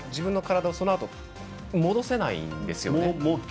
自分の体をそのあと戻せないんですよね。